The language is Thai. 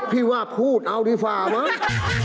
พี่ว่าพูดเอาดีฟาบ้าง